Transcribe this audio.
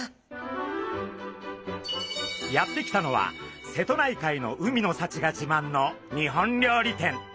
やって来たのは瀬戸内海の海の幸がじまんの日本料理店。